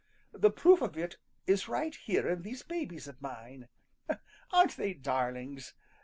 The proof of it is right here in these babies of mine. Aren't they darlings?